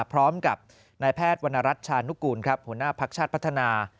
พร้อมกับนายแพทย์วรรณรัฐชานุกูลหัวหน้าภักดิ์ชาติพัฒนา